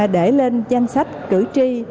để lên danh sách cử tri